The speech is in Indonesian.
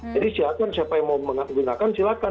jadi siapkan siapa yang mau menggunakan silakan